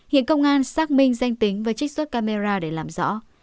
hiện công an xác minh danh tính và trích xuất camera để làm rõ